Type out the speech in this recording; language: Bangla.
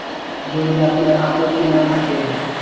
যদি আপনার আপত্তি না থাকে।